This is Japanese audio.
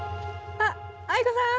あっ藍子さん！